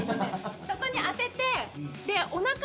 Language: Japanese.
そこに当てて。